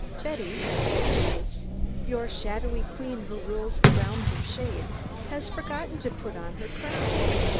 "Betty," said Joyce, "your 'shadowy queen who rules the realms of shade' has forgotten to put on her crown.